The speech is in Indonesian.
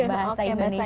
bahasa indonesia aja